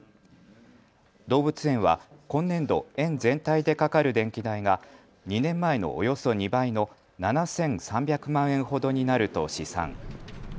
動物園は今年度、園全体でかかる電気代が２年前のおよそ２倍の７３００万円ほどになると試算。